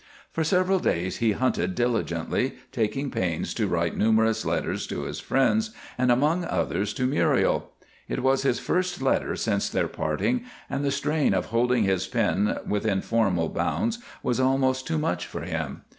For several days he hunted diligently, taking pains to write numerous letters to his friends, and among others to Muriel. It was his first letter since their parting, and the strain of holding his pen within formal bounds was almost too much for him.